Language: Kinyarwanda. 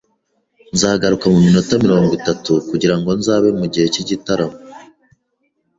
Nzagaruka muminota mirongo itatu kugirango nzabe mugihe cyigitaramo.